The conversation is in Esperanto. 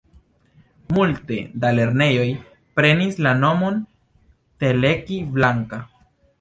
Multe da lernejoj prenis la nomon Teleki Blanka.